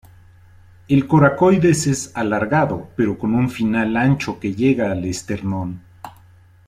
El coracoides es alargado pero con un final ancho que llega al esternón.